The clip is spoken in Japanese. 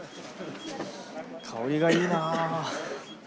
香りがいいな。